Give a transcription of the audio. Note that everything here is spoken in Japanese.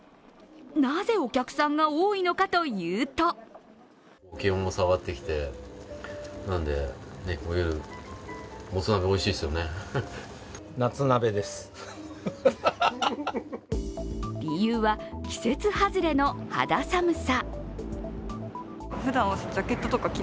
なぜお客さんが多いのかというと理由は季節外れの肌寒さ。